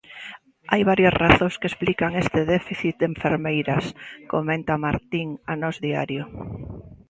Hai varias razóns que explican este déficit de enfermeiras, comenta Martín a Nós Diario.